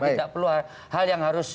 tidak perlu hal yang harus